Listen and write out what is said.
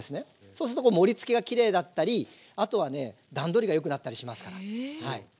そうすると盛りつけがきれいだったりあとはね段取りがよくなったりしますから。